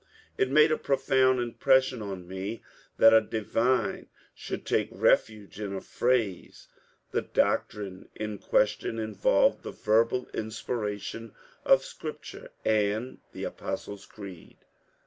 It made a profound im pression on me that a divine should take refuge in a phrase. The doctrine in question involved the verbal inspiration of Scripture and the " Apostles' Creed.